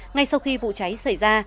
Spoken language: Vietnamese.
ngay sau khi vụ cháy xảy ra